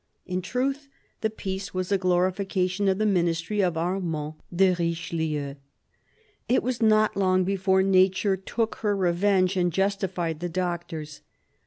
In truth, the piece was a glorification of the ministry of Armand de Richelieu. It was not long before Nature took her revenge and justified the doctors.